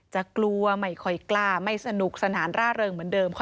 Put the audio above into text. จะกลัวไม่ค่อยกล้าไม่สนุกสนานร่าเริงเหมือนเดิม